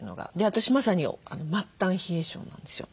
私まさに末端冷え性なんですよ。